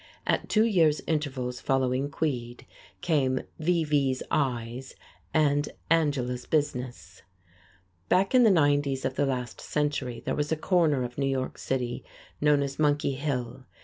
At two years' intervals following "Queed," came "V. V.'s Eyes" and "Angela's Business." [Illustration: ERNEST POOLE] Back in the nineties of the last century there was a corner of New York City known as Monkey Hill.